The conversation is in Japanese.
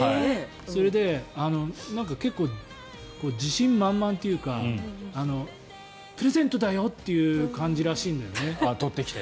それで結構、自信満々というかプレゼントだよという感じらしいんだよね。